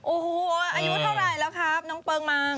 โอ้โหอายุเท่าไหร่แล้วครับน้องเปิงมาง